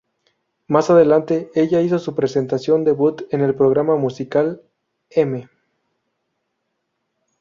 Más adelante, ella hizo su presentación debut en el programa musical "M!